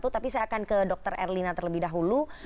tapi saya akan ke dr erlina terlebih dahulu